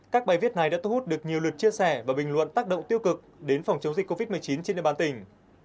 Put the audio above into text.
các bài viết này đã thu hút được nhiều lượt chia sẻ và bình luận tác động tiêu cực đến phòng chống dịch covid một mươi chín trên địa bàn tỉnh